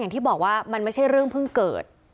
อย่างที่บอกว่ามันไม่ใช่เรื่องเพิ่งเกิด